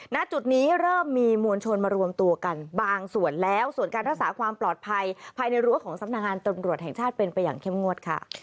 ณจุดนี้เริ่มมีมวลชนมารวมตัวกันบางส่วนแล้วส่วนการรักษาความปลอดภัยภายในรั้วของสำนักงานตำรวจแห่งชาติเป็นไปอย่างเข้มงวดค่ะ